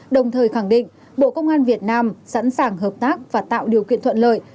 đồng thời khẳng định bộ công an việt nam sẵn sàng hợp tác và tạo điều kiện thuận lợi